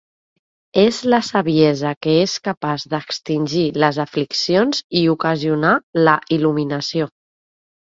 És la saviesa que és capaç d'extingir les afliccions i ocasionar la il·luminació.